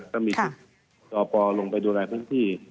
ก็มีจิตต่อปลงไปดูแลพันธุ์ที่